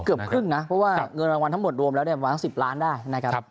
เกือบครึ่งนะเพราะว่าเงินรางวัลทั้งหมดรวมแล้วเนี่ยประมาณสัก๑๐ล้านได้นะครับ